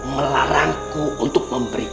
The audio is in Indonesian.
melarangku untuk memberi